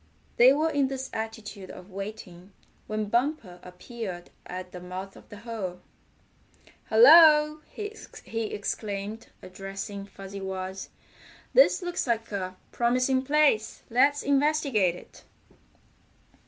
They were in this attitude of waiting when Bumper appeared at the mouth of the hole. "Hello!" he exclaimed, addressing Fuzzy Wuzz. "This looks like a promising place. Let's investigate it."